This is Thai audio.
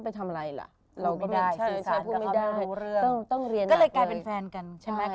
๑๖ปีเหมือนกัน